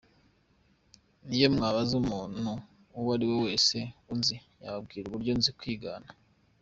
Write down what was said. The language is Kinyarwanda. Niyo mwabaza umuntu uwo ari we wese unzi, yababwira uburyo nzi kwigana”.